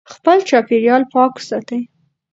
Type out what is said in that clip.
خپل چاپېریال پاک وساتئ.